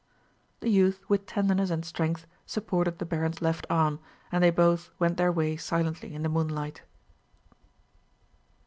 The youth with tenderness and strength supported the baron's left arm, and they both went their way silently in the moonlight.